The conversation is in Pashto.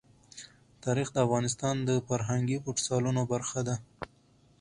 تاریخ د افغانستان د فرهنګي فستیوالونو برخه ده.